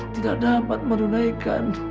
tidak dapat menunaikan